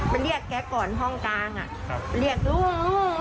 เรียกแกก่อนห้องกลางเรียกลุง